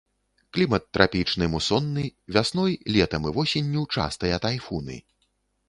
Клімат трапічны мусонны, вясной, летам і восенню частыя тайфуны.